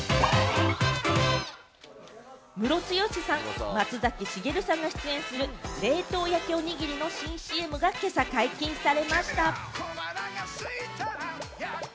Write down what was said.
ムロツヨシさん、松崎しげるさんが出演する、冷凍焼きおにぎりの新ＣＭが今朝、解禁されました。